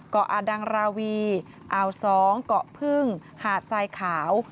เกาะอาดังราวีอาวสองเกาะพึ่งหาดทรายขาว